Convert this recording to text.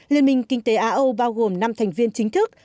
liên minh kinh tế á âu bao gồm năm thành viên chính thức